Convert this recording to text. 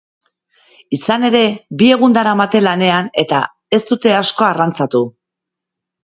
Izan ere, bi egun daramate lanean eta ez dute asko arrantzatu.